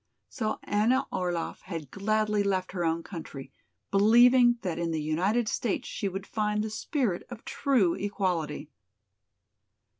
So Anna Orlaff had gladly left her own country, believing that in the United States she would find the spirit of true equality.